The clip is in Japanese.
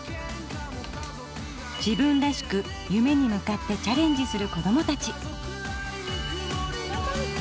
自分らしく夢に向かってチャレンジする子どもたち。